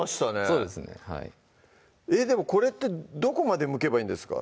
そうですねはいでもこれってどこまでむけばいいんですか？